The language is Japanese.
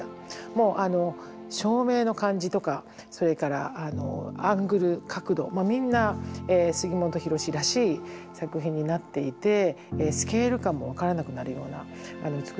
もう照明の感じとかそれからアングル角度みんな杉本博司らしい作品になっていてスケール感も分からなくなるような美しい写真のシリーズ。